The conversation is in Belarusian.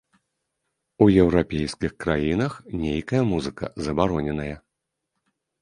У еўрапейскай краіне нейкая музыка забароненая!